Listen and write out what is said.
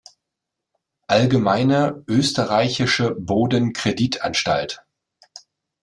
Allgemeine Österreichische Boden-Credit-Anstalt.